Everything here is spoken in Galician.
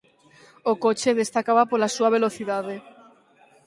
O coche destacaba pola súa velocidade.